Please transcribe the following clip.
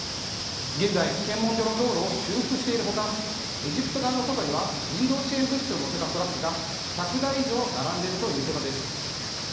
現在、検問所の道路を修復している他エジプト側の外には人道支援物資を載せたトラックが１００台以上並んでいるということです。